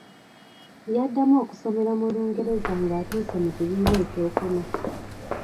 Yaddamu okusomera mu Lungereza ng’atuuse mu kibiina eky’okuna.